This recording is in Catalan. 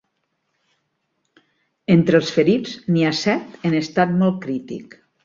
Entre els ferits, n’hi ha set en estat molt crític.